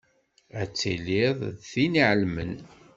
Ad tiliḍ d tin iɛelmen.